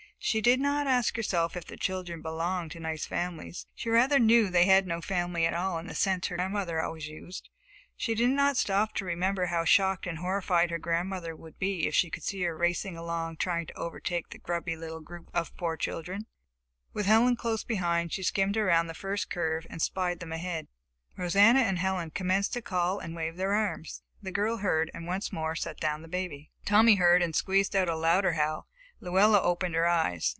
She did not ask herself if the children belonged to nice families. She rather knew they had no family at all in the sense her grandmother always used. She did not stop to remember how shocked and horrified her grandmother would be if she could see her racing along trying to overtake the grubby little group of poor children. With Helen close behind, she skimmed around the first curve and spied them ahead. Rosanna and Helen commenced to call and wave their arms. The girl heard and once more set down the baby. Tommy heard and squeezed out a louder howl. Luella opened her eyes.